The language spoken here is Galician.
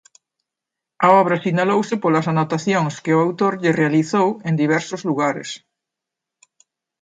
A obra sinalouse polas anotacións que o autor lle realizou en diversos lugares.